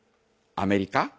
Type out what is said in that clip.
アメリカ？